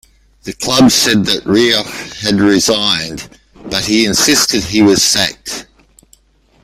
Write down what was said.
The club said that Rioch had resigned, but he insisted he was sacked.